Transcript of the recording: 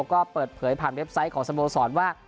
ก็เปิดเผยผ่านเว็บไซต์ของสโมสรว่า